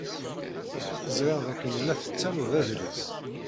Ẓṛiɣ d akken la tettaruḍ adlis.